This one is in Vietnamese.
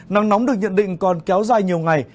nắng nóng được nhận định còn kéo dài nhiều ngày